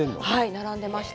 並んでました。